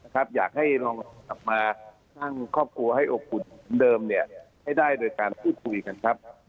อยากให้ลองกลับมาสร้างครอบครัวให้อบอุ่นเดิมให้ได้โดยการพูดคุยกันครับ